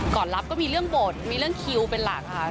ก่อนรับก็มีเรื่องบทมีเรื่องคิวเป็นหลักค่ะ